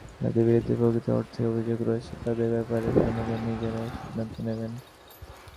যাঁদের বিরুদ্ধে প্রকৃত অর্থেই অভিযোগ রয়েছে, তাঁদের ব্যাপারে জনগণ নিজেরাই সিদ্ধান্ত নেবেন।